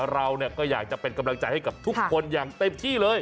เราก็อยากจะเป็นกำลังใจให้กับทุกคนอย่างเต็มที่เลย